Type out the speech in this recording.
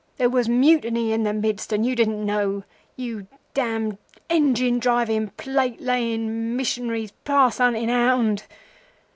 There was mutiny in the midst, and you didn't know—you damned engine driving, plate laying, missionary's pass hunting hound!